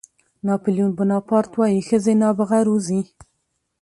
ناپلیون بناپارټ وایي ښځې نابغه روزي.